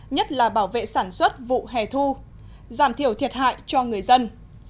nhất là bảo vệ sản xuất vụ hè thu giảm thiểu thiệt hại cho người dân